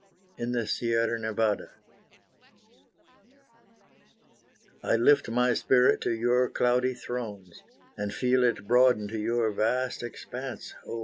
IN THE SIERRA NEVADA I lift my spirit to your cloudy thrones, And feel it broaden to your vast expanse, Oh!